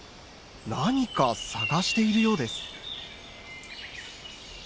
何か探しているようです。